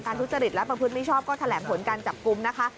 ทุจริตและประพฤติมิชอบก็แถลงผลการจับกลุ่มนะคะ